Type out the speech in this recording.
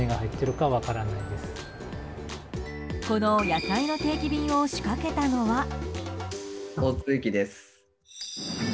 この野菜の定期便を仕掛けたのは。